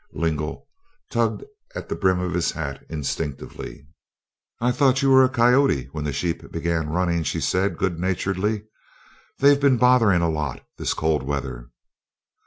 Lingle tugged at his hat brim instinctively. "I thought you were a coyote when the sheep began running," she said, good naturedly. "They've been bothering a lot this cold weather."